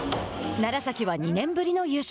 楢崎は２年ぶりの優勝。